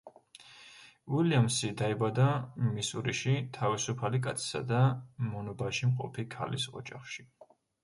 უილიამსი დაიბადა მისურიში, თავისუფალი კაცისა და მონობაში მყოფი ქალის ოჯახში.